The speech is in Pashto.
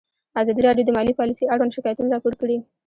ازادي راډیو د مالي پالیسي اړوند شکایتونه راپور کړي.